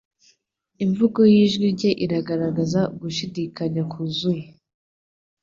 Imvugo y'ijwi rye iragaragaza ugushidikanya kuzuye.